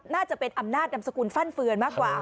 น่าจะเป็นอำนาจนำสกุลฟั่นเฟือนมากกว่า